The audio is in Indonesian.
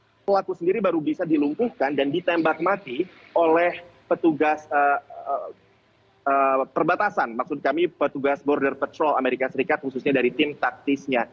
dan akhirnya pelaku sendiri baru bisa dilumpuhkan dan ditembak mati oleh petugas perbatasan maksud kami petugas border patrol amerika serikat khususnya dari tim taktisnya